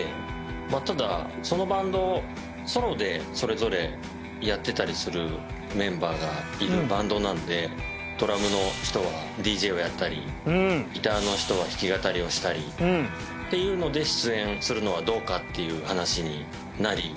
ただそのバンドソロでそれぞれやってたりするメンバーがいるバンドなんでドラムの人はＤＪをやったりギターの人は弾き語りをしたりっていうので出演するのはどうかっていう話になり。